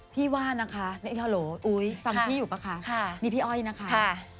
พี่ว่านะคะในฮาโหลอุ๊ยฟังพี่อยู่ป่ะคะนี่พี่อ้อยนะคะ